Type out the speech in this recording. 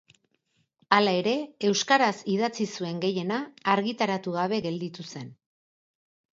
Hala ere, euskaraz idatzi zuen gehiena argitaratu gabe gelditu zen.